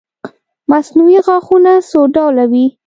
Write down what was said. مصنوعي غاښونه څو ډوله وي